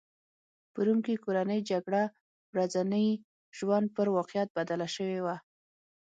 په روم کې کورنۍ جګړه ورځني ژوند پر واقعیت بدله شوې وه